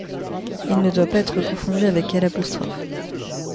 Il ne doit pas être confondu avec l'.